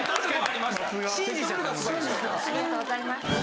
ありがとうございます。